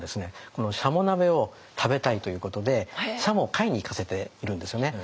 このしゃも鍋を食べたいということでしゃもを買いに行かせているんですよね。